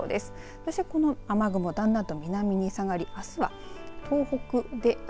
そしてこの雨雲だんだんと南に下がり、あすは東北で雨。